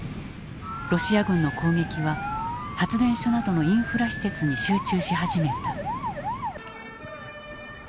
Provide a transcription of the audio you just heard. ロシア軍の攻撃は発電所などのインフラ施設に集中し始めた。